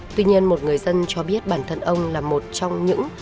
tuy nhiên một người dân cho biết bản thân ông là một trong những